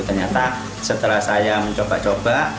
ternyata setelah saya mencoba coba